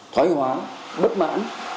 thoái hóa bất mãn